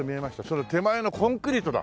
それ手前のコンクリートだ。